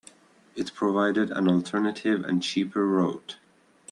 It provided an alternative and cheaper route.